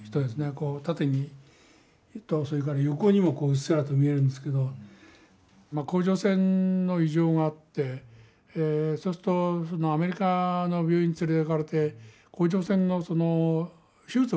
こう縦にそれから横にもうっすらと見えるんですけど甲状腺の異常があってそうするとそのアメリカの病院に連れてかれて甲状腺のその手術を受けるんですね。